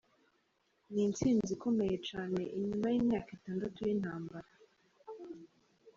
Ni intsinzi ikomeye cane inyuma y'imyaka itandatu y'intambara.